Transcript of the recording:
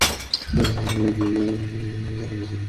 Please অন্যদিকে তাকান।